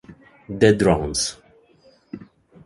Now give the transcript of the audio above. The Drones